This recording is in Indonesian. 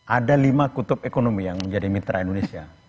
ada lima kutub ekonomi yang menjadi mitra indonesia